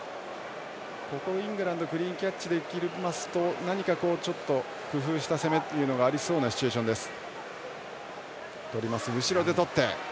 ここイングランドクリーンキャッチできますと何かちょっと工夫した攻めっていうのがありそうなシチュエーションです。